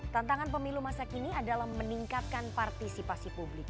tantangan pemilu masa kini adalah meningkatkan partisipasi publik